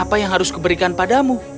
apa yang harus kuberikan padamu